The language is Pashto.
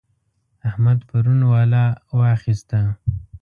احمد پرون ولا واخيسته.